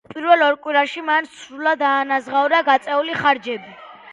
პირველ ორ კვირაში მან სრულად აანაზღაურა გაწეული ხარჯები.